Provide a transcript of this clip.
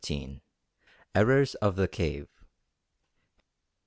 XIII. ERRORS OF THE CAVE.